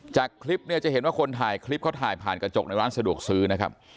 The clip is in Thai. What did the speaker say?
จากคลิปเนี่ยจะเห็นว่าคนถ่ายคลิปเขาถ่ายผ่านกระจกในร้านสะดวกซื้อนะครับ